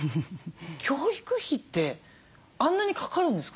教育費ってあんなにかかるんですか？